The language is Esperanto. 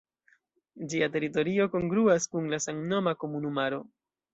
Ĝia teritorio kongruas kun la samnoma komunumaro.